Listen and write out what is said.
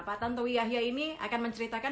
pak tanto wiyahya ini akan menceritakan